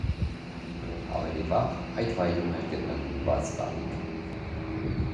Ավելի վաղ այդ վայրում էր գտնվում բաց տանիք։